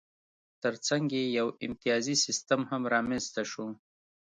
ترڅنګ یې یو امتیازي سیستم هم رامنځته شو